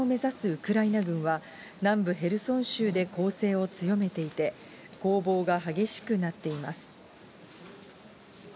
ウクライナ軍は、南部ヘルソン州で攻勢を強めていて、攻防が激しくなっています。